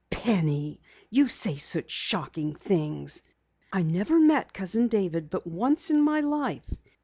"Penny! You say such shocking things! I never met Cousin David but once in my life.